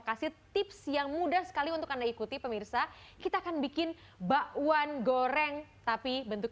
kasih tips yang mudah sekali untuk anda ikuti pemirsa kita akan bikin bakwan goreng tapi bentuk